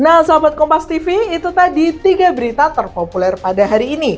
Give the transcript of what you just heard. nah sahabat kompas tv itu tadi tiga berita terpopuler pada hari ini